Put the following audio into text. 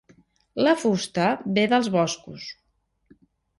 La fusta ve dels boscos.